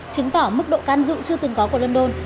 chứng tỏ mức độ can dự chưa từng có của london